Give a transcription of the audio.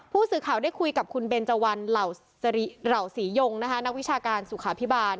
ผู้สื่อข่าวได้คุยกับคุณเบนเจวันเหล่าศรียงนะคะนักวิชาการสุขาพิบาล